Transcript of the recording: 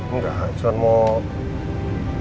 enggak cuma mau